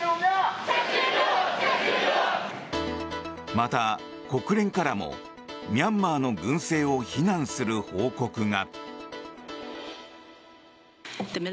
また、国連からもミャンマーの軍政を非難する報告が。